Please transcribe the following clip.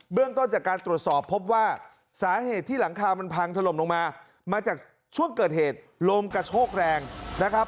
เรื่องต้นจากการตรวจสอบพบว่าสาเหตุที่หลังคามันพังถล่มลงมามาจากช่วงเกิดเหตุลมกระโชกแรงนะครับ